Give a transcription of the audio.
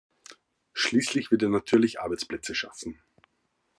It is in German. Schließlich wird er natürlich Arbeitsplätze schaffen.